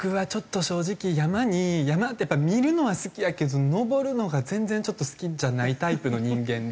正直山に山ってやっぱり見るのは好きやけど登るのが全然ちょっと好きじゃないタイプの人間で。